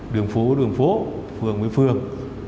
đường phố với đường phố phường với phường